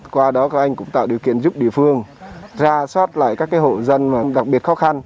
qua đó các anh cũng tạo điều kiện giúp địa phương ra soát lại các hộ dân đặc biệt khó khăn